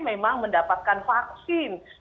memang mendapatkan vaksin